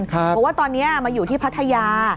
บอกว่าตอนนี้มาอยู่ที่พัทยา